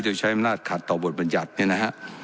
โดยใช้มนาคตขัดต่อบทบรรยัตนี่นะฮะ